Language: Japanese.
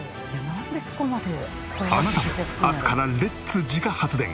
あなたも明日からレッツ自家発電。